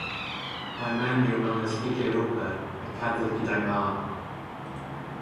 Mae menyw mewn esgidiau rwber yn cerdded gyda'i mab.